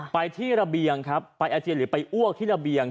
ไปที่ระเบียงครับไปอาเจียนหรือไปอ้วกที่ระเบียง